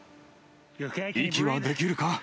息はできるか？